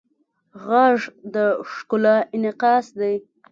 غږ د ښکلا انعکاس دی